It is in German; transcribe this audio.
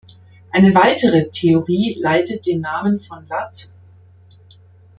Eine weitere Theorie leitet den Namen von lat.